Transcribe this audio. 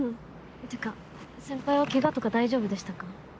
っていうか先輩はケガとか大丈夫でしたか？